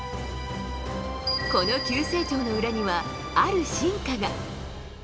この急成長の裏には、ある進化が。